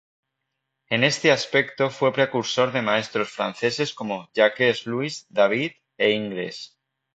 En este aspecto fue precursor de maestros franceses como Jacques-Louis David e Ingres.